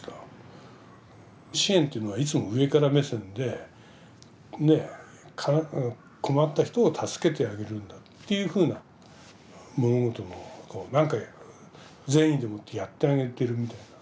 支援っていうのはいつも上から目線でで困った人を助けてあげるんだっていうふうな物事の何か善意でもってやってあげてるみたいな。